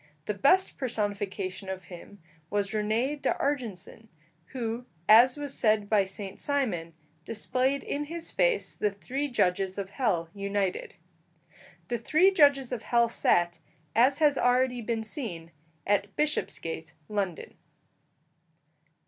The best personification of him was René d'Argenson, who, as was said by Saint Simon, displayed in his face the three judges of hell united. The three judges of hell sat, as has already been seen, at Bishopsgate, London.